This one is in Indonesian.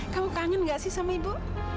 kamu kangen gak sih sama ibu